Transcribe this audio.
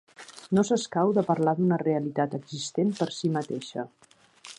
No s'escau de parlar d'una realitat existent per si mateixa.